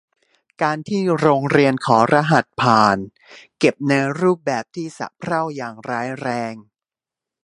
การที่โรงเรียนขอรหัสผ่าน เก็บในรูปแบบที่สะเพร่าอย่างร้ายแรง